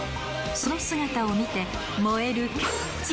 その姿を見て燃えるケイティ。